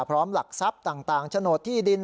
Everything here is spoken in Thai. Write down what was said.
หลักทรัพย์ต่างโฉนดที่ดิน